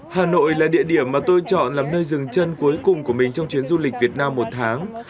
hà nội là địa điểm mà tôi chọn làm nơi dừng chân cuối cùng của mình trong chuyến du lịch việt nam một tháng